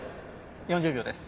４０秒です。